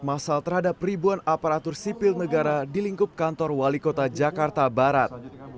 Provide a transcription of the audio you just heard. masal terhadap ribuan aparatur sipil negara di lingkup kantor wali kota jakarta barat